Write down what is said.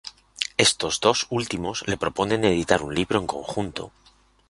Estos dos últimos le proponen editar un libro en conjunto.